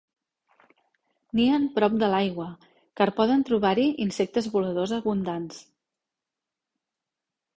Nien prop de l'aigua car poden trobar-hi insectes voladors abundants.